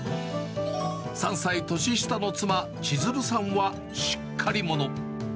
３歳年下の妻、千鶴さんはしっかり者。